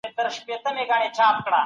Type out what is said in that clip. د کار خبري ډي ښې دي